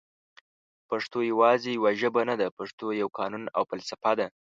پښتو یواځي یوه ژبه نده پښتو یو قانون او فلسفه ده